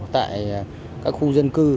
tại các khu dân cư